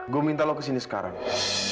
gue minta lu kesini sekarang